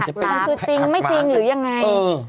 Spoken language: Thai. มันคือจริงไม่จริงหรือยังไง